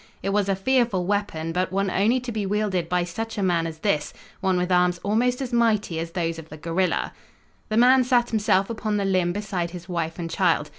It was a fearful weapon, but one only to be wielded by such a man as this, one with arms almost as mighty as those of the gorilla. The man sat himself upon the limb beside his wife and child.